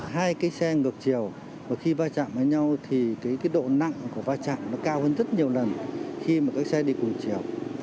hai cái xe ngược chiều và khi va chạm với nhau thì cái độ nặng của va chạm nó cao hơn rất nhiều lần khi mà cái xe đi cùng chiều